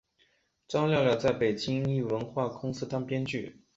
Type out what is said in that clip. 张寥寥在北京一文化公司当编剧。